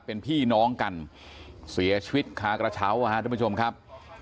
เป็นพี่น้องกันเสียชีวิตคากระเช้านะครับทุกผู้ชมครับ